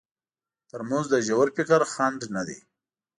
ترموز د ژور فکر خنډ نه دی.